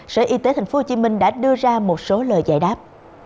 sở y tế tp hcm đã đưa ra một số lời giải đáp